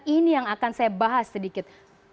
ini yang akan saya bahas sedikit